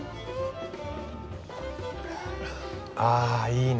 ああいいね。